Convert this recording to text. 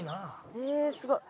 えっすごい！